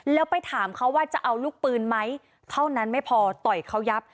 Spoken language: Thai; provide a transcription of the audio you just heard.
แล้วไปถามเขาว่าจะเอาลูกปืนไหมเท่านั้นไม่พอต่อยเขายับ